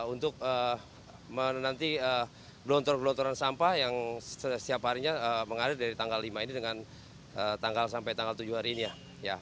untuk menanti blontor blontoran sampah yang setiap harinya mengadil dari tanggal lima ini sampai tanggal tujuh hari ini ya